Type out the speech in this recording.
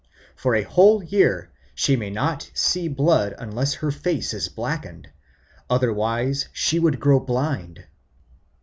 For a whole year she may not see blood unless her face is blackened; otherwise she would grow blind.